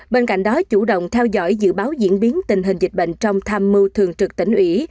bên cạnh đó chủ động theo dõi dự báo diễn biến tình hình dịch bệnh trong tham mưu thường trực tỉnh ủy